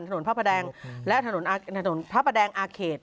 พระประแดงและถนนพระประแดงอาเขต